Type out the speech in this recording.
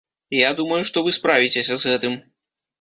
Я думаю, што вы справіцеся з гэтым.